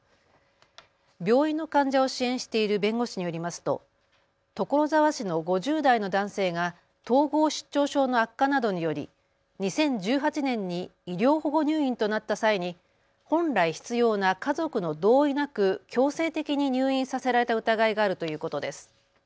病院の患者を支援している弁護士によりますと所沢市の５０代の男性が統合失調症の悪化などにより２０１８年に医療保護入院となった際に本来必要な家族の同意なく強制的に入院させられた疑いがあるということです。